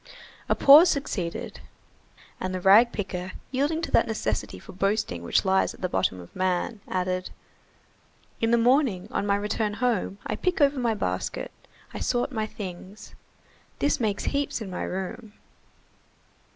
A pause succeeded, and the rag picker, yielding to that necessity for boasting which lies at the bottom of man, added:— "In the morning, on my return home, I pick over my basket, I sort my things. This makes heaps in my room.